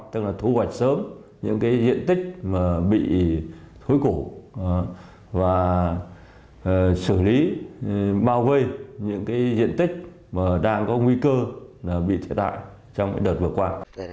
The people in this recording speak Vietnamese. tức là thu hoạch sớm những cái diện tích bị thối củ và xử lý bao vây những cái diện tích mà đang có nguy cơ bị thiệt hại trong đợt vừa qua